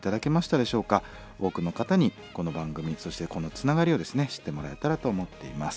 多くの方にこの番組そしてこのつながりをですね知ってもらえたらと思っています。